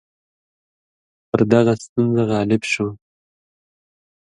پر دغه ستونزه غالب شو.